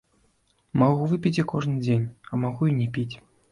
Магу выпіць і кожны дзень, а магу і не піць.